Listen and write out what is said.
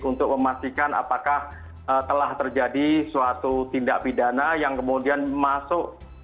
untuk memastikan apakah telah terjadi suatu tindak pidana yang kemudian masuk